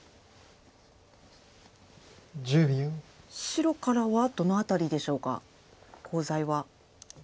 白からはどの辺りでしょうかコウ材は。